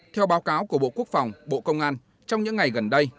theo báo cáo của bộ quốc phòng bộ công an trong những ngày gần đây